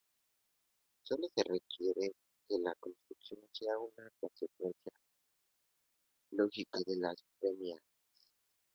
Sólo se requiere que la conclusión sea una consecuencia lógica de las premisas.